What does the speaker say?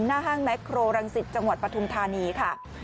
ห้างแมคโครรังสิตจังหวัดปฐุมธานีค่ะ